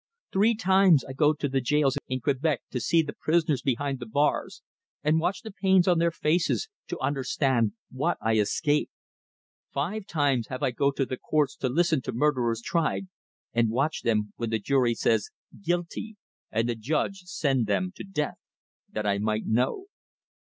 Three times I go to the jails in Quebec to see the prisoners behind the bars, and watch the pains on their faces, to understand what I escape. Five times have I go to the courts to listen to murderers tried, and watch them when the Jury say Guilty! and the Judge send them to death that I might know.